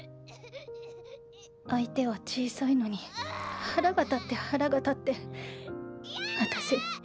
相手は小さいのに腹が立って腹が立って。